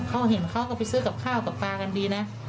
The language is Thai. เขาเห็นเขาก็ไปซื้อกับข้าวกับปลากันดีนะ